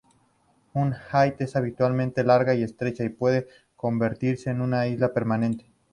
Un "ait" es habitualmente larga y estrecha, y puede convertirse en una isla permanente.